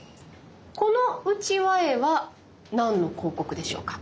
このうちわ絵は何の広告でしょうか？